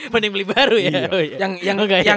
mending beli baru ya